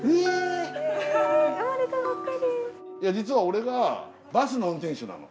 実は俺がバスの運転手なの。